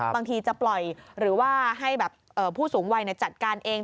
บางทีจะปล่อยหรือว่าให้ผู้สูงวัยจัดการเอง